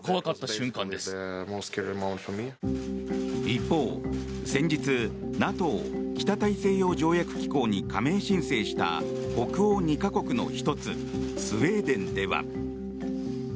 一方、先日ＮＡＴＯ・北大西洋条約機構に加盟申請した北欧２か国の１つスウェーデンでは。